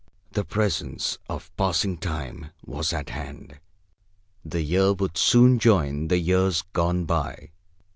The presence of passing Time was at hand. The year soon would join the years gone by.